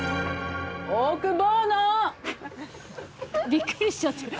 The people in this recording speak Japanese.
びっくりしちゃってる。